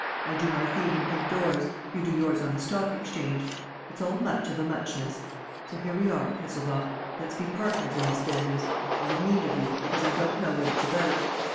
I do my thieving indoors; you do yours on the Stock Exchange. It's all much of a muchness. So here we are, Kesselbach. Let's be partners in this business. I have need of you, because I don't know what it's about.